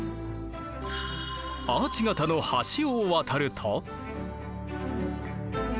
アーチ形の橋を渡ると。